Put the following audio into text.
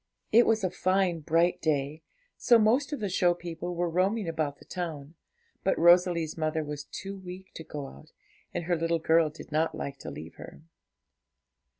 It was a fine, bright day, so most of the show people were roaming about the town; but Rosalie's mother was too weak to go out, and her little girl did not like to leave her.